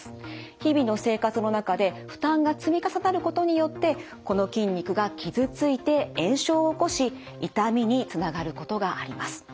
日々の生活の中で負担が積み重なることによってこの筋肉が傷ついて炎症を起こし痛みにつながることがあります。